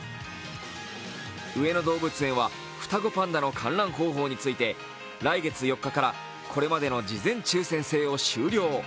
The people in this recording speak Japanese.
上野動物園は双子パンダの閲覧方法について、来月４日から、これまでの事前抽選制を終了。